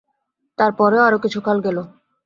তার পরেও আরো কিছুকাল গেল।